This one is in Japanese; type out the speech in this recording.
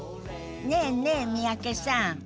ねえねえ三宅さん。